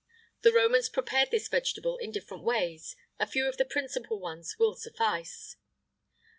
The Romans prepared this vegetable in different ways: a few of the principal ones will suffice.